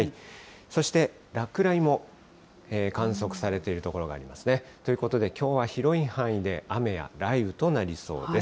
そして落雷も観測されている所がありますね。ということで、きょうは広い範囲で雨や雷雨となりそうです。